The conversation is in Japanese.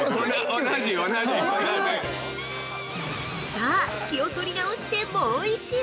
◆さあ、気を取り直してもう一度！